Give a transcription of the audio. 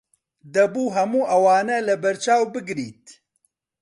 دەبوو هەموو ئەوانە لەبەرچاو بگریت.